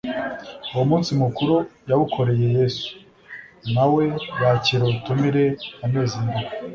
Uwo munsi mukuru yawukoreye Yesu, nawe yakira ubutumire anezerewe,